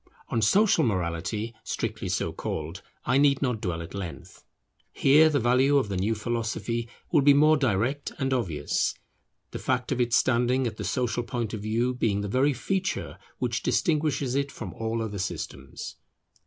On social morality strictly so called, I need not dwell at length. Here the value of the new philosophy will be more direct and obvious, the fact of its standing at the social point of view being the very feature which distinguishes it from all other systems.